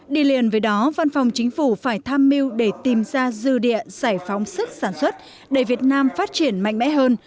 đi liền với đó văn phòng chính phủ phải tham mưu để tìm ra dư địa giải phóng sức sản xuất để việt nam phát triển mạnh mẽ hơn